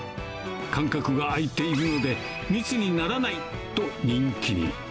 間隔があいているので、密にならないと人気に。